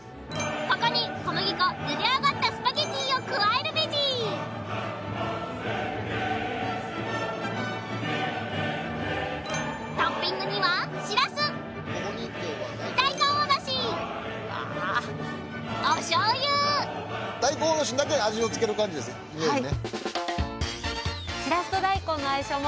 ここに小麦粉ゆで上がったスパゲティーを加えるベジトッピングにはしらす大根おろしおしょうゆ大根おろしにだけ味を付ける感じですイメージね。